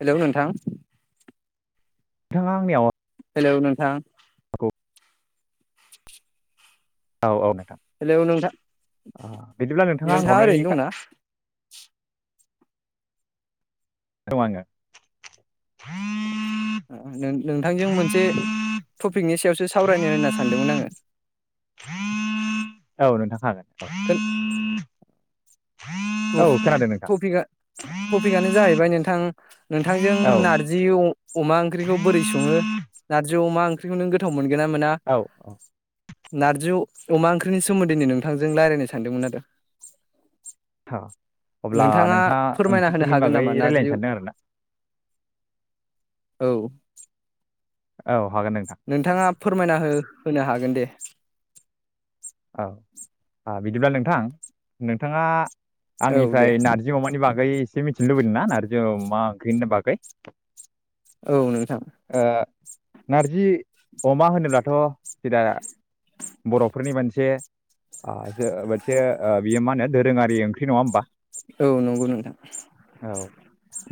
Hello नोंथां नोंथाङा आंनियाव हेलौ नोंथां हागौ औ औ हेल' नोंथां अ बिदिब्ला आं नोंथाङा हरनायनि ओरैनो दंना औ आङो नोंथांजों मोनसे टपिकनि सायावसो सावरायनो होनना सानदोंमोन आङो औ नोंथां हागोन ह [inaudible] टपिक आ टपिकआनो जाहैबाय नोंथां नोंथांजों औ नारजि अमा ओंख्रिखौ बोरै सङो नारजि अमा ओख्रैखौ नों गोवथावमोन मोना मोना औ औ नारजि अमा ओंख्रिनि सोमोन्दै नोंथांजों रायलायनो सानदोंमोन आरो औ अब्ला नोंथाङा फोरमायना होनो ओंख्रिफोरनि हागोन बागै नामा रायज्लायनो नारजि सानदों आरोना औ औ हागोन नोंथां नोंथाङा फोरमायना हो होनो हागोन दे औ औ बिदिब्ला नोंथां नोंथाङा औ दे आंनिफ्राय नारजि अमानि बागै एसे मिथिनो लुबैदों ना नारजि अमा [unintelligible] बाखै औ नोंथां नारजि अमा होनोब्लाथ' सि दा बर'फोरनि मानसि मोनसे मोनसे बियो ओ मा होनो दोरोङारि ओंख्रि नङा होमबा औ नंगौ नोंथां औ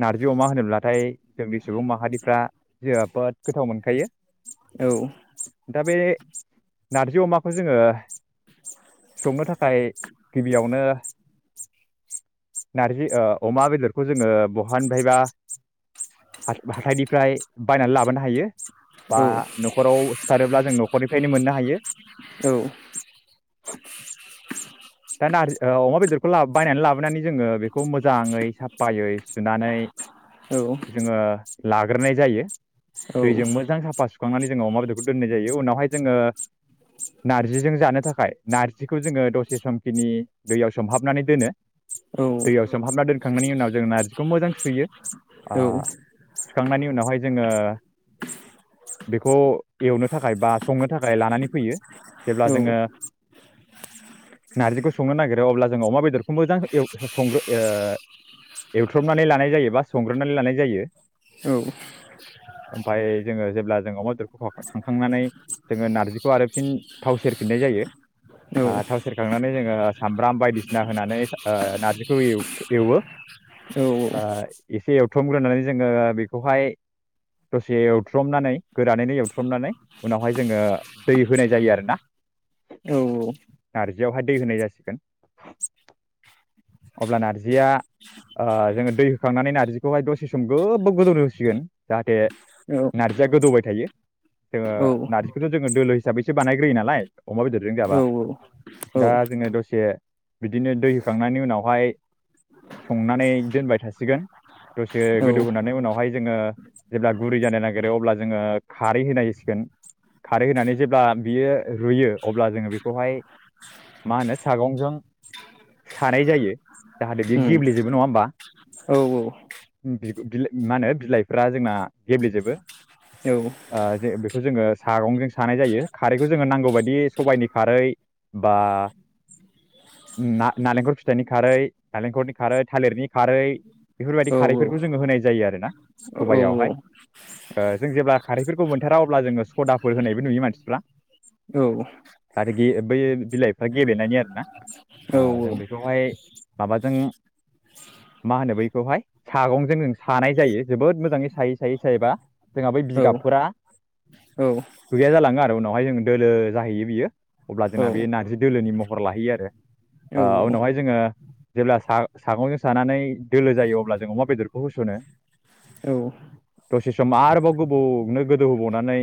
नारजि अमा होनोब्लाथाय जोंनि सुबुं माहारिफ्रा जे जोबोद गोथाव मोनखायो औ दा बे नारजि अमाखौ जोङो संनो थाखाय गिबियावनो नारजि ओ अमा बेदरखौ जोङो बहानिफ्रायबा हा-हाथाइनि फ्राय बायनानै लाबोनो हायो बा औ न'खराव सुथारोब्ला जों न'खरनिफ्रायनो मोननो हायो औ [inaudible] दा नार ओ अमा बेदरखौ लाबो बायनानै लाबोनानै जोङो बे खौ मोजाङै साफायै सुनानै औ जोङो लाग्रोनाय जायो दैजों मोजां साफा सुखांनानै जोङो अमा बेदरखौ दोननाय जायो उनावहाय जोङो [inaudible] थानो थाखाय नारजिखौ जोङो दसे समखिनि दैयाव सोमहाबनानै दोनो दैयाव सोमहाबना दोनखांनायनि उनाव जों नार्जिखौ मोजां सुयो ओ सुखांनायनि उनावहाय जोङो बेखौ एवनो थाखाय बा संनो थाखाय लानानै फैयो जेब्ला जोङो नारजिखौ संनो नागिरो अब्ला जोङो अमा बेदरखौ मोजां एव हो संग्रो ओ एवथ्रबनानै लानाय जायो बा संग्रोनानै लानाय जायो औ ओमफाय जोङो जेब्ला जों अमा बेदरखौ खहाखो खांखांनानै जोङो नारजिखौ आरो फिन थाव सेरफिननाय जायो आ थाव सेरखांनानै जोङो सामब्राम बायदिसिना होनानै ओ नारजिखौ एवथो एवो ओ एसे एवथ्रमग्रोनानै जोङो बेखौहाय दसे एवथ्रमनानै गोरानैनो एवथ्रमनानै उनावहाय जोङो दै होनाय जायो आरो ना नारजियावहाय दै होनाय जासिगोन अब्ला नारजिया ओ जोङो दै होखांनानै नारजिखौहाय दसे सम गोबाव गोदौनो होसिगोन जाहाथे नारजिया गोदौबाय थायो जोङो नारजिखौथ' जोङो दोलो हिसाबैसो बानाय ग्रोयो नालाय अमा बेदरजों जाबा दा जोङो दसे बिदिनो दै होखांनायनि उनावहाय संनानै दोनबाय थासिगोन दसे गोदौ होनोनानै उनावहाय जोङो जेब्ला गुरै जानो नागिरो अब्ला जोङो खारै होनायसिगोन खारै होनानै जेब्ला बियो रुयो अब्ला जोङो बेखौहाय मा होनो सागंजों सानाय जायो जाहाथे बियो गेब्लेजोबो नङा होमबा बिगु बिलाइ मा होनो बिलाइफ्रा जोंना गेब्लेजोबो आ जे बे खौ जोङो सागंजों सानाय जायो खारैखौ जोङो नांगौ बायदि सबाइनि खारै बा ना नालेंखर फिथाइनि खारै नालेंखरनि खारै थालिरनि खारै बेफोरबायदि खारैफोरखौ जोङो होनाय जायो आरो ना सबायावहाय ओ जों जेब्ला खारैफोरखौ मोनथारा अब्ला जोङो सदाफोर होनायबो नुयो मानसिफ्रा आरोगि बै बिलाइफ्रा गेलेनायनि आरोना जों बेखौहाय माबाजों मा होनो बैखौहाय सागंजों जों सानाय जायो जोबोद मोजाङै सायै सायै सायोबा जोंहा बै बिगाबफोरा गैया जालाङो आ लो उनावहाय जों दोलो जाहैयो बियो अब्ला जोंना बे नारजि दोलोनि महर लाहैयो आरो आ उनावहाय जोङो जेब्ला सा- सागंजों सानानै दोलो जायो अब्ला जों अमा बेदरखौ होस'नो दसे सम आरोबाव गोबोवनो गोदौहोबावनानै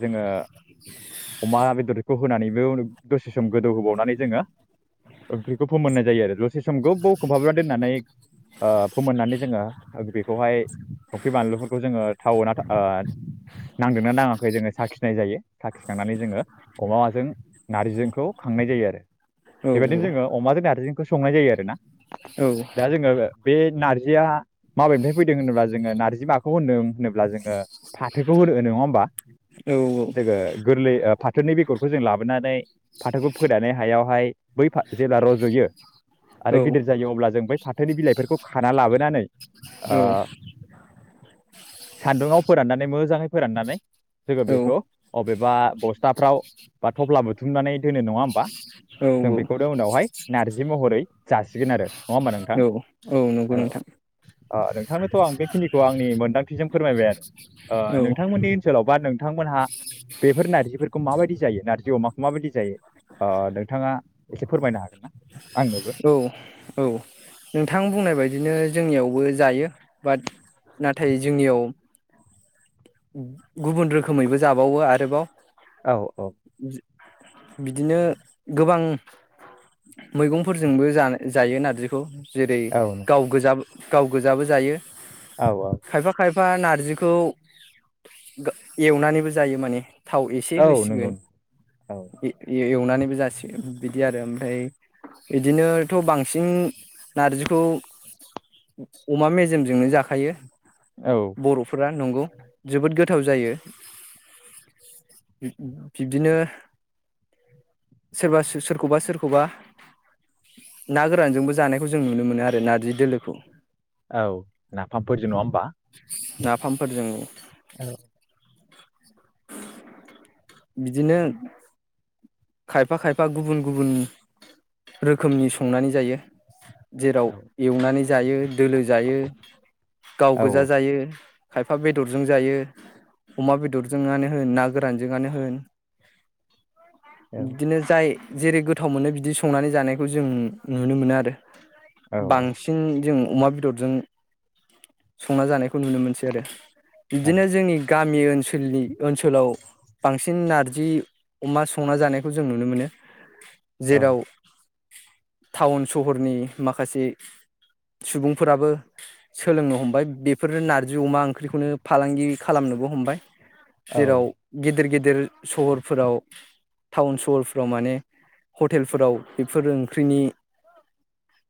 जोङो अमा बेदरखौ होनानैबो दसे सम गोदौ होबावनानै जोङो ओंख्रिखौ फोमोननाय जायो आरो दसे सम गोबबोव खोबहाबना दोननानै ओ फोमोननानै जोङो बेखौहाय संख्रि बानलुफोरखौ जोङो थावो ना ओ नांदोंना नाङाखै जोङो साखिनाय जायो साखिखांनानै जोङो अमाजों नार्जिजोंखौ खांनाय जायो आरो बेबायदिनो जोङो अमाजों नार्जिजोंखौ संनाय जायो आरो ना दा जोङो बे नार्जिया माबेनिफ्राय फैदों होनोब्ला जोङो नार्जि माखौ होनदों होनोब्ला जोङो फाथोखौ होनो नङा होमबा जोङो गोरलै ओ फाथोनि बेगरखौ जों लाबोनानै फाथोखौ फोनानै हायावहाय बै फा जेब्ला रज'यो आरो गिदिर जायो अब्ला जों बै फाथोनि बिलाइफोरखौ खाना लाबोनानै ओ सान्दुङाव फोराननानै मोजाङै फोराननानै जोङो बेखौ अबेबा बस्थाफ्राव बा थफ्ला बुथुमनानै दोनो नङा होमबा जों बेखौनो उनावहाय नारजि महरै जासिगोन आरो नङा होमबा नोंथां नंगौ औ नोंथां अ नोंथांनोथ' आं बेखिनिखौ आंनि मोनदांथिजों फोरमायबाय आरो औ ओ नोंथांमोननि ओनसोलाव बा नोंथांमोनहा बेफोर नारजिफोरखौ माबायदि जायो नारजि अमाखौ माबायदि जायो ओ नोंथाङा एसे फोरमायनो हागोन ना आंनोबो औ औ नोंथां बुंनाय बायदिनो जोंनियावबो जायो बाट नाथाय जोंनियाव गुबुन रोखोमैबो जाबावो आरोबाव औ औ बिदिनो गोबां मैगंफोरजोंबो जाना-जायो नारजिखौ जेरै औ गाव गोजा गाव गोजाबो जायो। आव‌ आव फा नारजिखौ दा एवनानैबो जायो माने। थाव एसे औ होसिगोन नंगौ औ ए-ए-एव नानैबो जासियो बिदि आरो ओमफाय इदिनोथ' बांसिन नारजिखौ अमा मेजेमजोंनो जाखायो। औ बर'फोरा नंगौ। जोबोद गोथाव जायो बिब्दिनो सोरबा सो-सोरखौबा सोरखौबा ना गोरानजोंबो जानायखौ जों नुनो मोनो आरो नारजि दोलोखौ। औ नाफामफोरजो नङा होमबा। नाफामफोरजों औ बिदिनो खायफा खायफा गुबुन गुबुन रोखोमनि संनानै जायो। जेराव औ एवनानै जायो दोलो जायो गाव औ गोजा जायो। खायफा बेदरजों जायो अमा बेदरजों आनो होन ना गोरानजों आनो होन। औ बिदिनो जाय जेरै गोथाव मोनो बिदि संनानै जानायखौ जों नुनो मोनो आरो। औ बांसिन जों अमा बेदरजों संना जानायखौ नुनो मोनसै आरो। औ बिदिनो जोंनि गा मि ओनसोलनि ओनसोलाव बांसिन नारजि अमा संना जानाय खौ जों नुनो मोनो। औ जेराव टाउन सहरनि माखासे सुबुंफोराबो सोलोंनो हमबाय बेफोर नारजि अमा ओंख्रिखौनो फालांगि खालामनोबो हमबाय। औ जेराव गिदिर गिद दिर सहरफोराव टाउन सहरफ्राव माने हटेलफोराव बेफोर ओंख्रिनि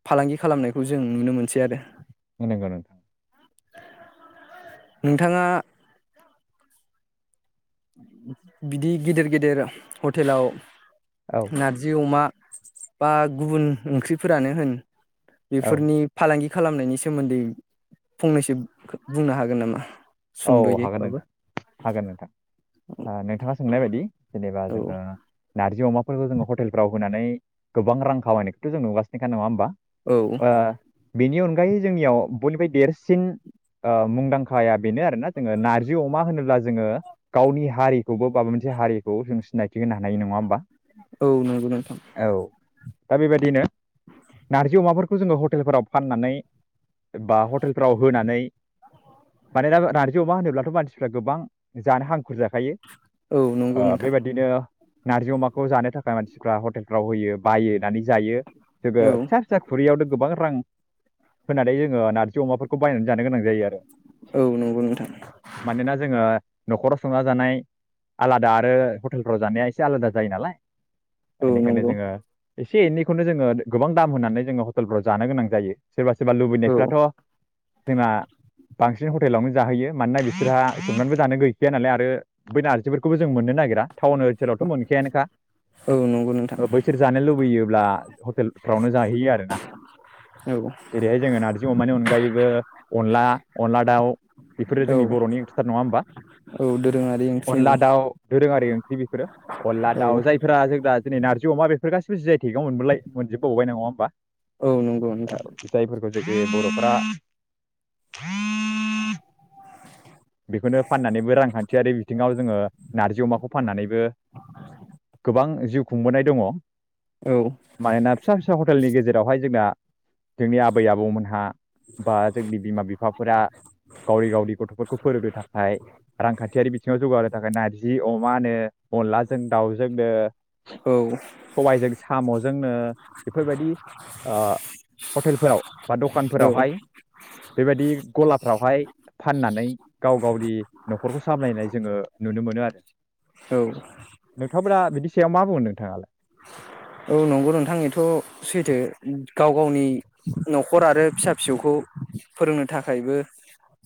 फालांगि खालामनायखौ जों नुनो मोनसै आरो। [unintelligible] नोंथाङा बिदि गिदेर गेदेर हटेलाव औ नारजि अमा बा गुबुन ओंख्रिफोरानो होन औ बेफोरनि फालांगि खालामनायनि सोमोन्दै फंनैसो खो बुंनो हागोन नामा? औ हागोन सुंद'यैबाबो नोंथां हागोन नोंथां। आ नोंथाङा सोंनाय बायदि जेनेबा औ जोङो नार जि अमाफोरखौ जोङो हटेलफ्राव होनानै गोबां रां खामायनायखौथ' जों नुगासिनोखा नङा होमबा? औ ओ बेनि अनगायै जोंनियाव बयनिफाय देरसिन ओ मुंदांखाया बेनो आरोना जोङो नारजि अमा होनोब्ला जोङो गावनि हारिखौबो माबा मोनसे हारिखौ जों सिनायथि होनो हानाय नङा होमबा औ नंगौ नोंथां। औ दा बेबायदिनो नारजि अमाफोरखौ जोङो हटेलफोराव फाननानै बा हटेलफोराव होनानै मानोना नारजि अमा होनोब्लाथ' मानसिफ्रा गोबां जानो हांखुर जाखायो। औ नंगौ ओ नोंथां बेबायदिनो नारजि अमाखौ जानो थाखाय मानसिफ्रा हटेलफ्राव होयो बायो होननानै जायो। जोङो औ फिसा फिसा खुरियाव। गोबां रां होनानै जोङो नारजि अमाफोरखौ बायनानै जानो गोनां जायो आरो। औ नंगौ नोंथां। मानोना जोङो न'खराव संना जानाय आलादा आरो हटेलफ्राव जानाया एसे आलादा जायो नालाय। औ बेनिखायनो नंगौ जोङो एसे एनैखौनो जोङो गोबां दाम होनानै जोङो हटेलफोराव जानो गोनां जायो। सोरबा सोरबा औ लुबैनायफ्राथ' जोंना। बांसिन हटेलावनो जाहोयो मानोना बिसोरहा सनमानबो जानो गैखाया नालाय आरो बै नारजिफोरखौबो जों मोननो नागिरा टाउन ओनसोलावथ' मोनखायानोखा औ नंगौ नोंथां ओ बैसोर जानो लुबैयोब्ला हटेलफ्रावनो जाहैयो आरोना औ जेरैहाय जोङो नारजि अमानि अनगायै ओ अनला अनला दाव बेफोरो औ जोंनि बर'नि ओंख्रिथार नङा होमबा औ दोरोङारि ओंख्रि अनला औ दाउ दोरोङारि ओंख्रि बेफोरो अनला दाउ औ जायफोरा जोंना दिनै नारजि अमाफोर गासिबो जि आय थेगाव मोनबोलाय मोनोब बावबाय नङा होमबा? औ नंगौ नोंथां। [unintelligible] बर'फ्रा [inaudible] बेखौनो फाननानैबो रांखान्थियारि बिथिङाव जोङो नारजि अमाखौ फाननानैबो गोबां जिउ खुंबोनाय दङ। औ माइना फिसा फिसा हटेलनि गेजेराव बेवहाय जोंना जोंनि आबै आबौमोनहा बा जोंनि बिमा बिफाफोरा गावनि गावनि गथ'फोरखौ खौ फोरोंनो थाखाय रांखान्थियारि बिथिङाव जौगाहो थाखाय नारजि अ मा होनो अनलाजों दाउजोंनो औ सबाइजों साम जोंनो बेफोरबायदि ओ हटेलफोराव बा औ दखानफोरावहाय बेबायदि गलाफ्रावहाय फाननानै गाव गावनि न'खरखौ सामलायनाय जोङो नुनो मोनो आर औ बिनि सायाव मा बुंगोन नोंथाङालाय औ नंगौ नोंथांनिथ' सैथो गाव गावनि न'खर आरो फिसा फिसौखौ फोरोंनो थाखायबो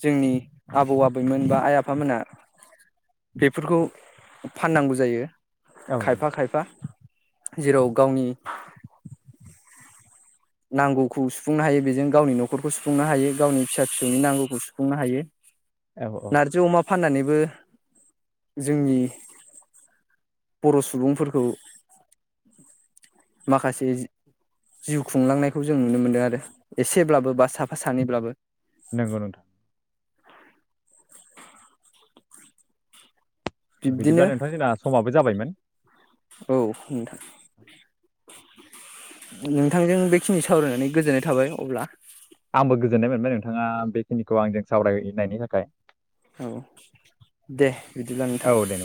जोंनि आबौ आबैमोन बा आइ आफामोना बेफोरखौ फाननांगौ जायो औ खायफा नंगौ। खायफा जेराव गावनि नांगौखौ सुफुंनो हायो बेजों गावनि न'खरखौ सुफुंनो हायो गावनि फिसा फिसौनि नांगौखौ सुफुंनो हायो औ औ नारजि अमा फाननानैबो जोंनि बर' सुबुंफोरखौ माखासे जिउ खुंलांनायखौ जों नुनो मोनदों आरो एसेब्लाबो बा साफा सानैब्लाबो नंगौ नोंथां बिब्दिनो बिदिब्ला नोंथां जोंना समा बो जाबायमोन औ नोंथां नोंथांजों बेखिनि सावरायनानै गोजोननाय थाबाय अब्ला आंबो गोजोननाय मोनबाय नोंथाङा बेखिनिखौ आंजों सावरायनायनि थाखाय औ दे बिदिब्ला औ नोंथां दे